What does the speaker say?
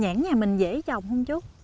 nhãn nhà mình dễ trồng không chú